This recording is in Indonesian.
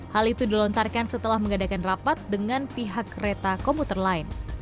hal itu dilontarkan setelah mengadakan rapat dengan pihak kereta komuter lain